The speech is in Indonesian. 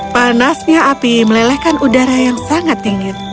panasnya api melelehkan udara yang sangat dingin